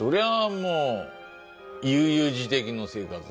もう悠々自適の生活だよ。